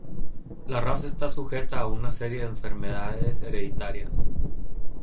La raza está sujeta a una serie de enfermedades hereditarias.